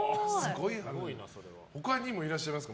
他にもいらっしゃいます？